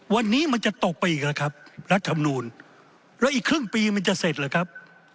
วันนี้มันจะตกไปอีกหรือครับรัฐธรรมนูลแล้วอีกครึ่งปีมันจะเสร็จเหรอครับ